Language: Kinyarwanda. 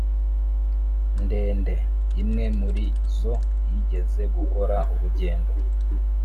Ndende imwe muri zo yigeze gukora urugendo